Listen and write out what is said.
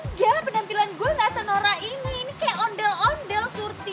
enggak penampilan gue gak senora ini ini kayak ondel ondel surti